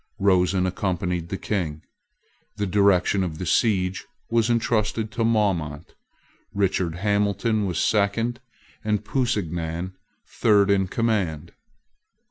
Rosen accompanied the King. The direction of the siege was intrusted to Maumont. Richard Hamilton was second, and Pusignan third, in command.